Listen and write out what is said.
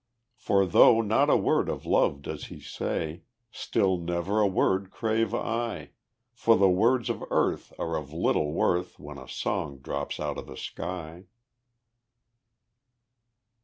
For though not a word of love does he say, Still never a word crave I; For the words of earth are of little worth When a song drops out of the sky.